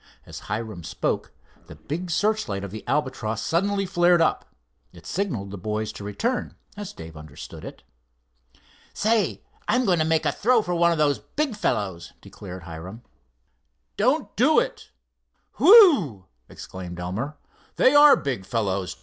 As Hiram spoke, the big searchlight of the Albatross suddenly flared up. It signalled the boys to return, as Dave understood it. "Say, I'm going to make a throw for one of those big fellows," declared Hiram. "Don't do it. Whew!" exclaimed Elmer. "They are big fellows.